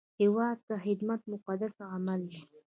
هیواد ته خدمت مقدس عمل دی